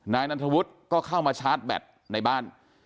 นายนันทวุฒิก็เข้ามาชาร์จแบตในบ้าน